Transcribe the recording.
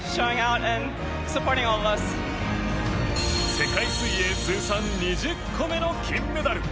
世界水泳通算２０個目の金メダル。